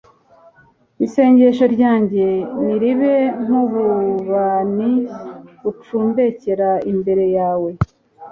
isengesho ryanjye niribe nk'ububani bucumbekera imbere yawe